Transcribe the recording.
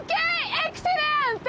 エクセレント！